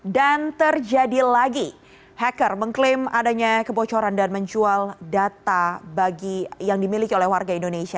dan terjadi lagi hacker mengklaim adanya kebocoran dan menjual data yang dimiliki oleh warga indonesia